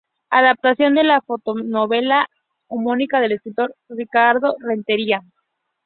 Adaptación de la fotonovela homónima del escritor Ricardo Rentería.